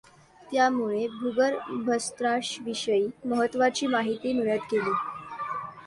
त्यामुळे, भूगर्भशास्त्राविषयी महत्त्वाची माहिती मिळत गेली.